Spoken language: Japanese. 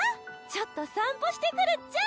ちょっと散歩してくるっちゃ。